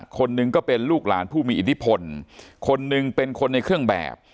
คนหนึ่งก็เป็นลูกหลานผู้มีอิทธิพลคนหนึ่งเป็นคนในเครื่องแบบ